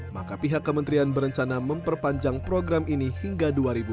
maka pihak kementerian berencana memperpanjang program ini hingga dua ribu dua puluh